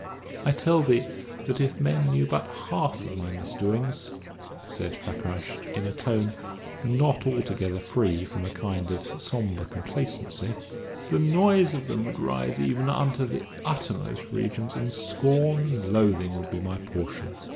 I tell thee that if men knew but the half of my misdoings," said Fakrash, in a tone not altogether free from a kind of sombre complacency, "the noise of them would rise even unto the uppermost regions, and scorn and loathing would be my portion."